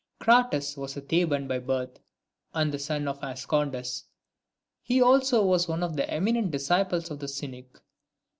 I. CRATES was a Theban by birth, and the son of Ascondus. He also was one of the eminent disciples of the Cynic.